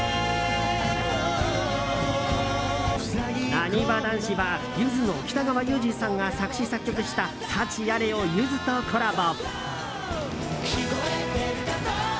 なにわ男子はゆずの北川悠仁さんが作詞・作曲した「サチアレ」をゆずとコラボ。